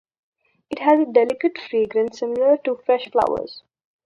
It has a delicate fragrance similar to fresh flowers.